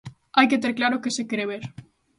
_Hai que ter claro qué se quere ver.